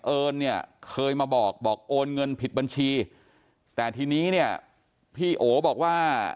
เอิญเนี่ยเคยมาบอกบอกโอนเงินผิดบัญชีแต่ทีนี้เนี่ยพี่โอบอกว่า